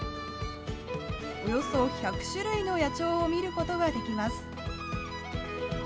およそ１００種類の野鳥を見ることができます。